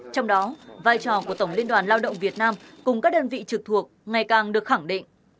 trong đó vai trò của tổng liên đoàn lao động việt nam cùng các đơn vị trực thuộc ngày càng được khẳng định